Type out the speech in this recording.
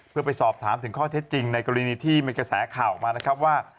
เพื่อไปสอบถามถึงข้อเท็จจริงในกรณีที่มีกระแสข่าวออกมานะครับว่า